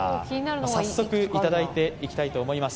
早速いただいていきたいと思います。